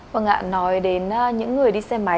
vâng ạ nói đến những người đi xe máy